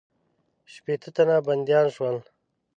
شپېته تنه بندیان شول.